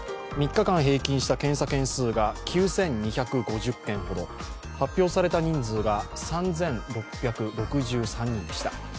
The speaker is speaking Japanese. ３日間平均した検査件数が９２５０件ほど、発表された人数が３６６３人でした。